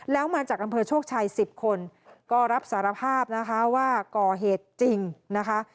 แล้วมาจากอำเภอโชคชัย๑๐คนก็รับสารภาพนะคะว่าก่อเหตุจริงนะคะ